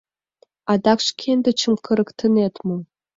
— Адак шкендычым кырыктынет мо?»